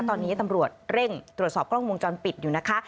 ตอนนี้ตำรวจเร่งตรวจสอบกล้องวงจรปิดอยู่นะคะ